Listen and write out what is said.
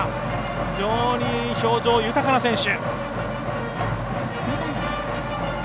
非常に表情豊かな選手。